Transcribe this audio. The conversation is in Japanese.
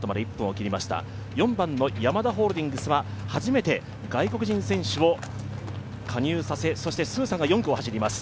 ４番のヤマダホールディングスは初めて外国人選手を加入させそしてスーサンが４区を走ります。